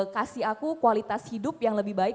kasih aku kualitas hidup yang lebih baik